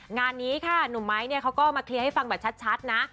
งานนี้ค่ะหนุ่มไม้เนี่ยเขาก็มาเคลียร์ให้ฟังแบบชัดนะ